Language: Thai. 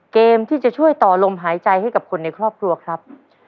เกมที่จะช่วยต่อลมหายใจให้กับคนในครอบครัวครับ